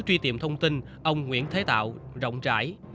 truy tìm thông tin ông nguyễn thế tạo rộng rãi